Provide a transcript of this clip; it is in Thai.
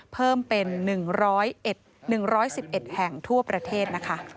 เพิ่มเป็น๑๑๑๑แห่งทั่วประเทศนะคะ